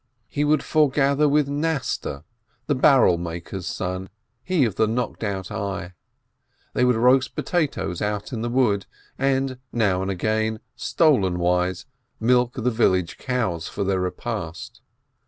He would foregather with Nasta, the barrel maker's son, he of the knocked out eye; they would roast potatoes out in the wood, and now and again, stolen wise, milk the village cows for their repast.